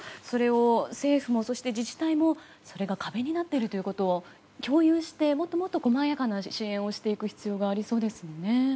それを政府もそして自治体もそれが壁になっていることを共有してもっと細やかな支援をしていく必要がありそうですね。